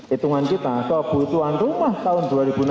hitungan kita kebutuhan rumah tahun dua ribu enam belas